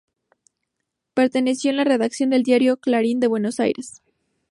Perteneció a la redacción del diario Clarín de Buenos Aires.